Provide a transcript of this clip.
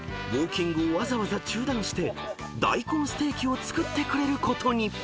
ウォーキングをわざわざ中断して大根ステーキを作ってくれることに］